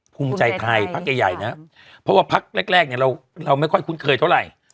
ภูมิใจไทยพักใหญ่นะครับเพราะว่าพักแรกเนี่ยเราไม่ค่อยคุ้นเคยเท่าไหร่